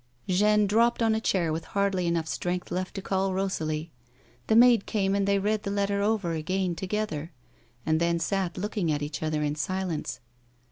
Jeanne dropped on a chair with hardly enough strength left to call Rosalie. The maid came and they read the letter over again together, and then sat looking at each other in silence.